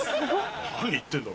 何言ってんだ